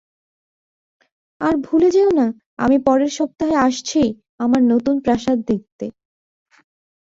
আর ভুলে যেও না, আমি পরের সপ্তাহে আসছি, আমার নতুন প্রাসাদ দেখতে।